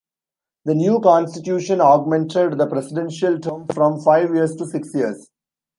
The new constitution augmented the presidential term from five years to six years.